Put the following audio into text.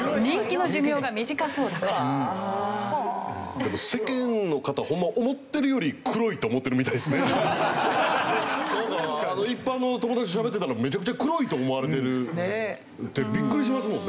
でも世間の方ホンマ思ってるより一般の友達としゃべってたらめちゃくちゃ黒いと思われてるってビックリしますもんね。